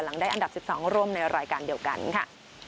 ได้อันดับ๑๒ร่วมในรายการเดียวกันค่ะ